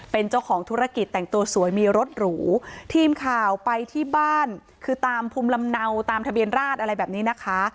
เป็นเจ้าของธุรกิจแต่งตัวสวยมีรถหรูทีมข่าวไปที่บ้านคือตามภูมิลำเนาตามทะเบียนราชอะไรแบบนี้นะคะ